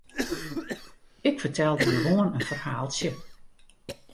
Ik fertelde gewoan in ferhaaltsje.